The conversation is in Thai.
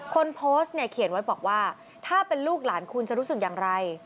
คนโพสต์เนี่ยเขียนไว้บอกว่าถ้าเป็นลูกหลานคุณจะรู้สึกอย่างไร